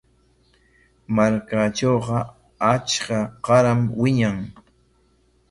Markaatrawqa achka qaaram wiñan.